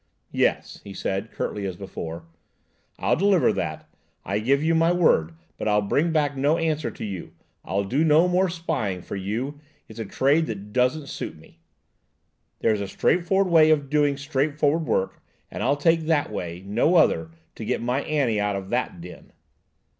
"Yes," he said, curtly as before. "I'll deliver that, I give you my word, but I'll bring back no answer to you. I'll do no more spying for you–it's a trade that doesn't suit me. There's a straight forward way of doing straight forward work, and I'll take that way–no other–to get my Annie out of that den."